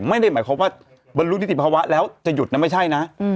ไม่ได้หมายความว่าบรรลุนิติภาวะแล้วจะหยุดนะไม่ใช่นะ